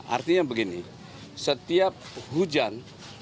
artinya begini setiap hujan